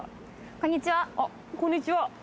こんにちは。